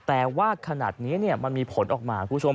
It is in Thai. แต่ว่าขนาดนี้มันมีผลออกมาคุณผู้ชม